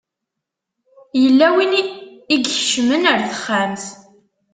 Yella win i ikecmen ar texxamt.